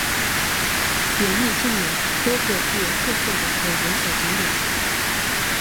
园内建有多个具有特色的游园小景点。